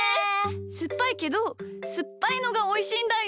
すっぱいけどすっぱいのがおいしいんだよ。